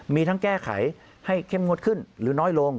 มีทั้งแก้ไขให้เข้มงวดขึ้นหรือน้อยลง